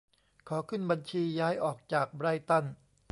ขอขึ้นบัญชีย้ายออกจาก ไบรท์ตัน